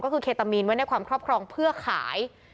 ก็คือเคตามีนไว้ในความครอบครองเพื่อขาย